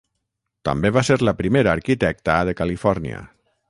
També va ser la primera arquitecta de Califòrnia.